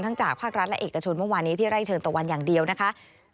จากภาครัฐและเอกชนเมื่อวานนี้ที่ไร่เชิญตะวันอย่างเดียวนะคะ